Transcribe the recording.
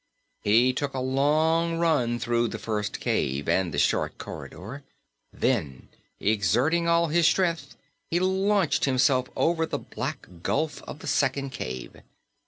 He took a long run through the first cave and the short corridor; then, exerting all his strength, he launched himself over the black gulf of the second cave.